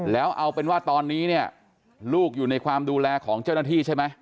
แล้วเอาเป็นว่าตอนนี้เนี่ยลูกอยู่ในความดูแลของเจ้าหน้าที่ใช่ไหม